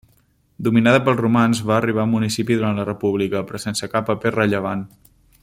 Dominada pels romans va arribar a municipi durant la república, però sense cap paper rellevant.